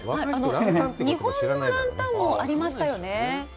日本のランタンもありましたよね。